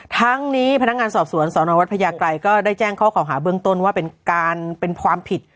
ทั้งนี้พนักงานสอบสวนสอนวัตรพญากรัยก็ได้แจ้งข้อข่าวหาเบื้องต้นว่าเป็นความผิด